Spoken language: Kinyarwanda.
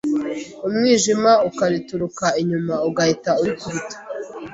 umwijima ukarituruka inyuma ugahita urikubita